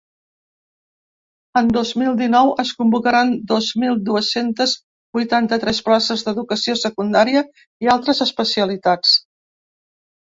En dos mil dinou es convocaran dos mil dues-centes vuitanta-tres places d’educació secundària i altres especialitats.